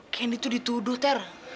candy tuh dituduh teh